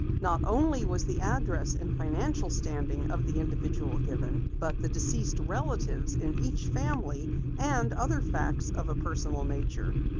Not only was the address and financial standing of the individual given, but the deceased relatives in each family and other facts of a personal nature.